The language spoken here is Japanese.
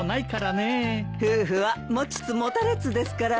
夫婦は持ちつ持たれつですからね。